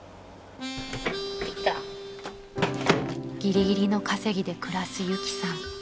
［ギリギリの稼ぎで暮らすユキさん］